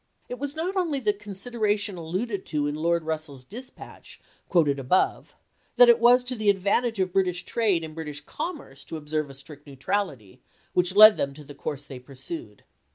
It was not only the consid eration aUuded to in Lord Russell's dispatch quoted above, that it was to the advantage of British trade and British commerce to observe a strict neutrality, which led them to the course they pursued.